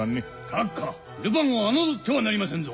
閣下ルパンを侮ってはなりませんぞ。